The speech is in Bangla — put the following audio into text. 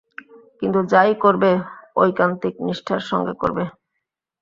কিন্তু যা-ই করবে, ঐকান্তিক নিষ্ঠার সঙ্গে কর।